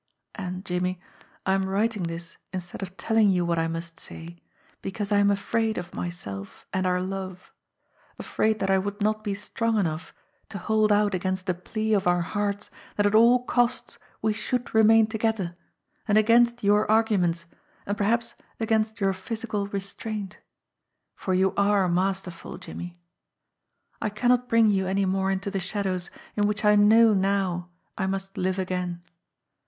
And, Jimmie, I am writing this instead of telling you what I must say, because I am afraid of myself and our love, afraid that I would not be strong enough to hold out against the plea of our hearts that at all costs we should remain together, and against your arguments, and perhaps against your physical restraint for you are masterful, Jimmie. I cannot bring you any more into the shadows in which I know now I must live again.